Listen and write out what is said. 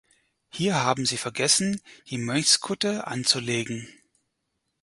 Hier haben Sie vergessen, die Mönchskutte anzulegen.